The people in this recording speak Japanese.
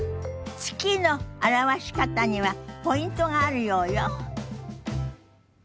「月」の表し方にはポイントがあるようよ。